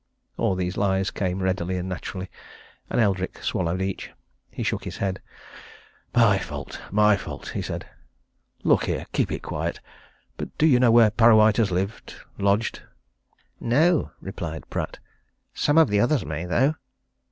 All these lies came readily and naturally and Eldrick swallowed each. He shook his head. "My fault all my fault!" he said. "Look here keep it quiet. But do you know where Parrawhite has lived lodged?" "No!" replied Pratt. "Some of the others may, though!"